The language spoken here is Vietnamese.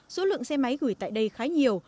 số lượng xe máy gửi tại đây khá nhiều